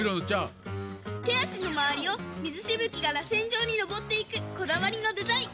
てあしのまわりをみずしぶきがらせんじょうにのぼっていくこだわりのデザイン。